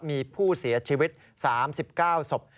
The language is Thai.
มีผู้เสียชีวิต๓๙ศพ